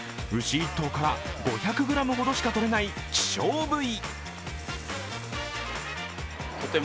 １頭から５００ｇほどしかとれない希少部位。